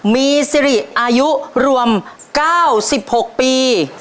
มีอายุสิริรวม๙๖ปี